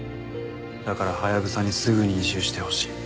だからハヤブサにすぐに移住してほしい。